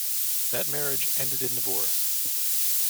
That marriage ended in divorce.